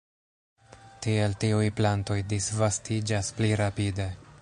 Tiel tiuj plantoj disvastiĝas pli rapide.